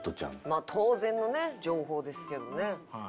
まあ当然のね情報ですけどね。